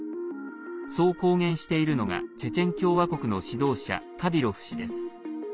そう公言しているのがチェチェン共和国の指導者カディロフ氏です。